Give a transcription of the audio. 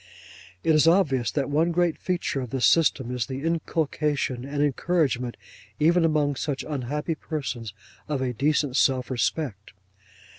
It is obvious that one great feature of this system, is the inculcation and encouragement, even among such unhappy persons, of a decent self respect.